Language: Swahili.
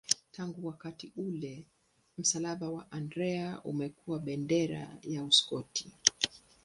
Tangu wakati ule msalaba wa Andrea umekuwa bendera ya Uskoti.